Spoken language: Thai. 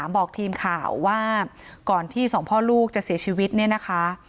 บอกทีมข่าวว่าก่อนที่สองพ่อลูกจะเสียชีวิตเนี่ยนะคะ